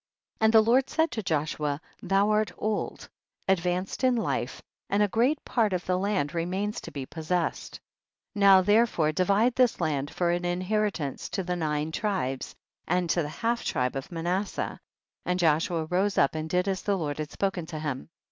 13. And the Lord said to Joshua, thou art old, advanced in hfe, and a great part of the land remains to be possessed. 14. Now therefore divide this land for an inheritance to the nine tribes and to the half tribe of Manasseh, and Joshua rose up and did as the Lord had spoken to him.